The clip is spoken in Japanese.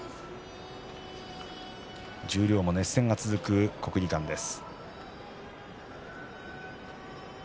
十両も熱戦が続く国技館です。